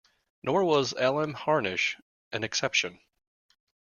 Nor was Elam Harnish an exception.